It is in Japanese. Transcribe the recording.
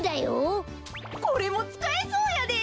これもつかえそうやで。